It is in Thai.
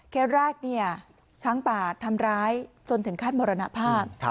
แรกเนี่ยช้างป่าทำร้ายจนถึงขั้นมรณภาพ